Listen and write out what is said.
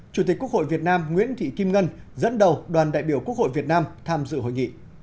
chủ tịch quốc hội việt nam nguyễn thị kim ngân dẫn đầu đoàn đại biểu quốc hội việt nam tham dự hội nghị